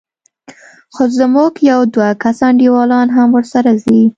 خو زموږ يو دوه کسه انډيوالان هم ورسره ځي.